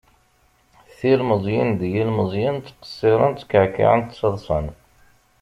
Tilmeẓyin d yilmeẓyen, tqesiren, tkeɛkiɛen taḍṣan.